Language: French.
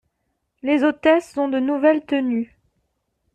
Les hôtesses ont de nouvelles tenues.